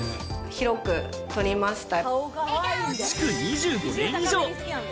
広く取りました。